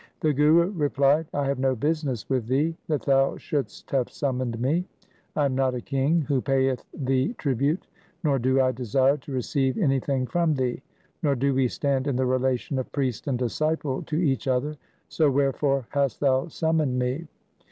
The Guru replied, ' I have no business with thee that thou shouldst have summoned me. I am not a king who payeth thee tribute, nor do I desire to receive anything from thee, nor do we stand in the relation of priest and disciple to each other, so wherefore hast thou summoned me